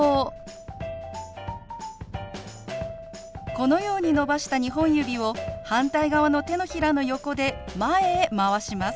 このように伸ばした２本指を反対側の手のひらの横で前へ回します。